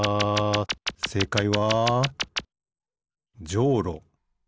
せいかいはじょうろ。